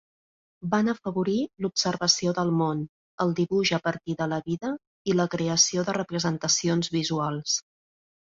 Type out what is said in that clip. Van afavorir l'observació del món, el dibuix a partir de la vida i la creació de representacions visuals.